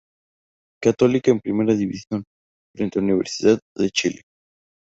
Católica en primera división, frente a Universidad de Chile.